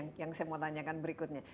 segi ini yang saya mau tanyakan berikutnya